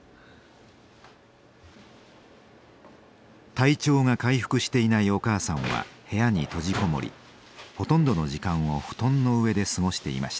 体調が回復していないお母さんは部屋に閉じこもりほとんどの時間を布団の上で過ごしていました。